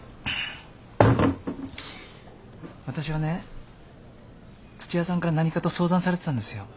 私はね土屋さんから何かと相談されてたんですよ。